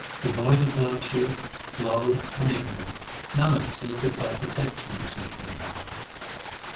Devoid of virtue, low, and ignorant Nanak seeketh thy protection, O Supreme Power.